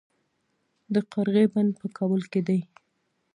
د قرغې بند په کابل کې دی